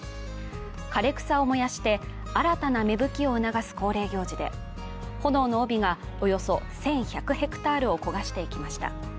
枯れ草を燃やして新たな芽吹きを促す恒例行事で、炎の帯がおよそ１１００ヘクタールを焦がしていきました。